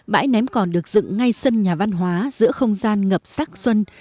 bãi ném còn được dựng ngay sân nhà văn hóa giữa không gian ngập sắc xuân